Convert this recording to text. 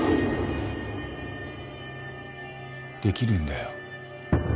できるんだよ。